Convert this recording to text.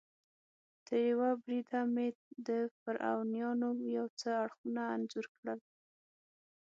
تریوه بریده مې د فرعونیانو یو څه اړخونه انځور کړل.